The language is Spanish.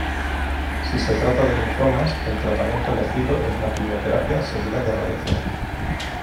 Si se trata de linfomas, el tratamiento elegido es la quimioterapia seguida de radiación.